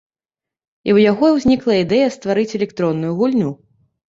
У яго ўзнікла ідэя стварыць электронную гульню.